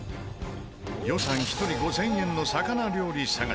予算１人５０００円の魚料理探し。